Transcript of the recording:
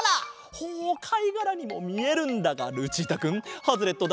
ほうかいがらにもみえるんだがルチータくんハズレットだ！